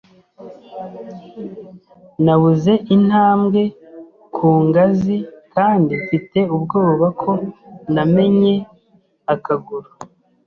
Nabuze intambwe ku ngazi kandi mfite ubwoba ko namennye akaguru.